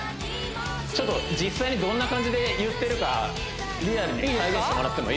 ちょっと実際にどんな感じで言ってるかリアルに再現してもらっても？